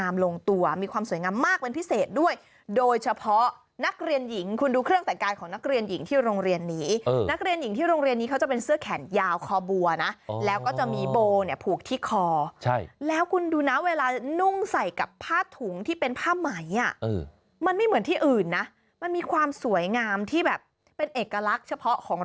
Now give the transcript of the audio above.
ลงตัวมีความสวยงามมากเป็นพิเศษด้วยโดยเฉพาะนักเรียนหญิงคุณดูเครื่องแต่งกายของนักเรียนหญิงที่โรงเรียนนี้นักเรียนหญิงที่โรงเรียนนี้เขาจะเป็นเสื้อแขนยาวคอบัวนะแล้วก็จะมีโบเนี่ยผูกที่คอใช่แล้วคุณดูนะเวลานุ่งใส่กับผ้าถุงที่เป็นผ้าไหมอ่ะมันไม่เหมือนที่อื่นนะมันมีความสวยงามที่แบบเป็นเอกลักษณ์เฉพาะของ